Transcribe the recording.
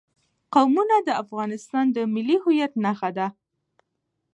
قومونه د افغانستان د ملي هویت نښه ده.